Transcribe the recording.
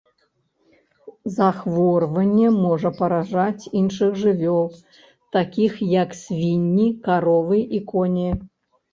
Захворванне можа паражаць іншых жывёл, такіх як свінні, каровы і коні.